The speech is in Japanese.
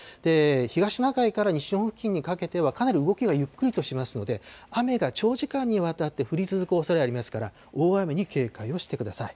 東シナ海から西日本付近にかけてはかなり動きがゆっくりとしますので、雨が長時間にわたって降り続くおそれがありますから、大雨に警戒してください。